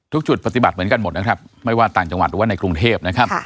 จุดปฏิบัติเหมือนกันหมดนะครับไม่ว่าต่างจังหวัดหรือว่าในกรุงเทพนะครับ